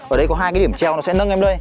ở đây có hai cái điểm treo nó sẽ nâng em lên